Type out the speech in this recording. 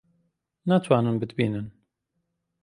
ناتوانن بتبینن.